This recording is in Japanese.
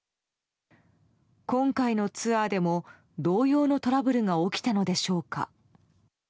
今回のツアーでも同様のトラブルが起きたのでしょうか。